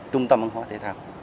trung tâm văn hóa thể thao